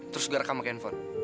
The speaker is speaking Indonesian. terus gue rekam pake handphone